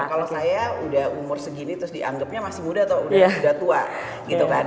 kalau saya udah umur segini terus dianggapnya masih muda atau udah tua gitu kan